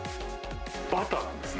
バターなんですね。